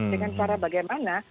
dengan cara bagaimana